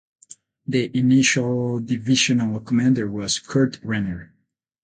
The initial divisional commander was Kurt Renner.